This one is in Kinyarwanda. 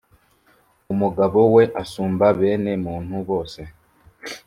umugabo we asumba bene muntu bose.